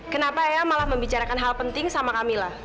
kenapa el malah membicarakan hal penting sama kamila